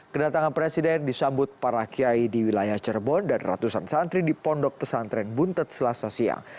kedatangan presiden disambut para kiai di wilayah cirebon dan ratusan santri di pondok pesantren buntet selasa siang